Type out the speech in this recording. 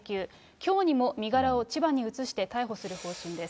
きょうにも身柄を千葉に移して、逮捕する方針です。